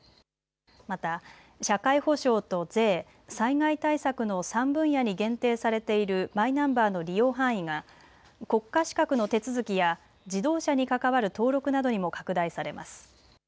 また社会保障と税、災害対策の３分野に限定されているマイナンバーの利用範囲が国家資格の手続きや自動車に関わる登録などにも拡大されます。